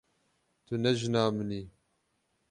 Tu ne jina min î.